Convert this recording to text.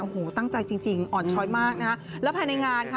โอ้โหตั้งใจจริงจริงอ่อนช้อยมากนะฮะแล้วภายในงานค่ะ